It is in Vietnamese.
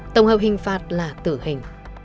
tổng hợp hình phạt là tử hình